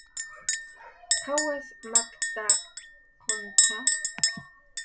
¿Qawas makta, quntza?